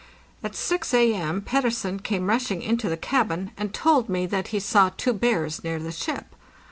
At 6 A.M. Pettersen came rushing into the cabin, and told me that he saw two bears near the ship.